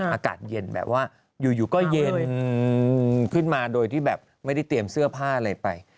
อากาศเย็นแบบว่าอยู่ก็เย็นขึ้นมาโดยที่แบบไม่ได้เตรียมเสื้อผ้าอะไรไป